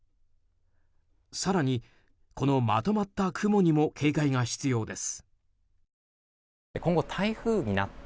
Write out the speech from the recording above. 更に、このまとまった雲にも警戒が必要です。